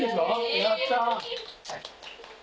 やった！